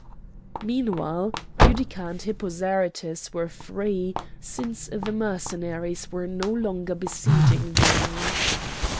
Meanwhile Utica and Hippo Zarytus were free since the Mercenaries were no longer besieging them.